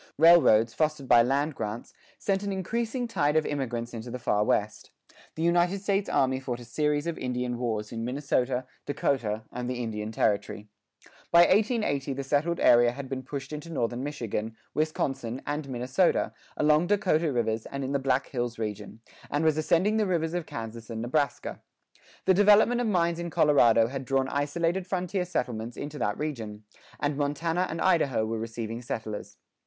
Railroads, fostered by land grants, sent an increasing tide of immigrants into the Far West. The United States Army fought a series of Indian wars in Minnesota, Dakota, and the Indian Territory. By 1880 the settled area had been pushed into northern Michigan, Wisconsin, and Minnesota, along Dakota rivers, and in the Black Hills region, and was ascending the rivers of Kansas and Nebraska. The development of mines in Colorado had drawn isolated frontier settlements into that region, and Montana and Idaho were receiving settlers.